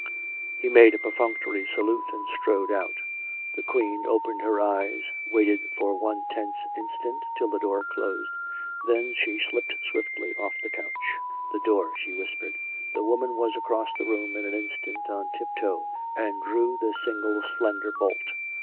He made a perfunctory salute and strode out. The Queen opened her eyes, waited for one tense instant till the door closed; then she slipped swiftly off the couch. " The door !" she whispered. The woman was across the room in an instant, on tip toe, and drew the single slender bolt.